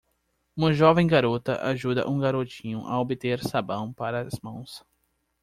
Uma jovem garota ajuda um garotinho a obter sabão para as mãos.